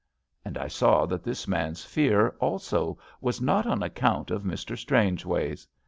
And I saw that this man's fear also was not on account of Mr. Strangeways.